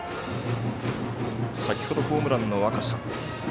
先ほどホームランの若狭。